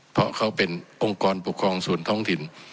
เพราะเขาเป็นองค์กรปกครองส่วนท้องถิ่น